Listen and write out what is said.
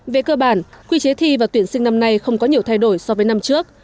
về cơ bản quy chế thi và tuyển sinh năm nay không có nhiều thay đổi so với năm trước